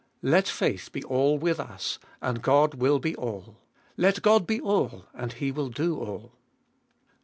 Let faith be all with us, and God will be all. Let God be all and He will do all.